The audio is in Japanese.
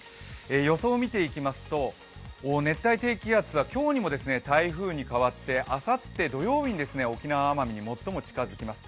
予想を見ていきますと、熱帯低気圧は今日にも台風に変わってあさって土曜日に沖縄・奄美に最も近づきます。